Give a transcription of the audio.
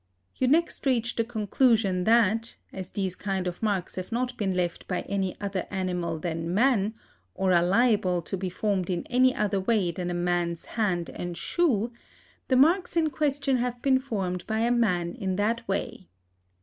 You next reach the conclusion that, as these kind of marks have not been left by any other animal than man, or are liable to be formed in any other way than a man's hand and shoe, the marks in question have been formed by a man in that way.